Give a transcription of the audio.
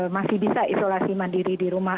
masih bisa isolasi mandiri di rumah